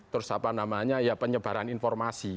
terus apa namanya ya penyebaran informasi